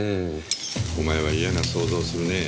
お前は嫌な想像をするねぇ。